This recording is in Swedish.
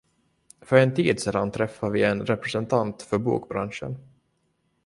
För en tid sedan träffade vi en representant för bokbranschen.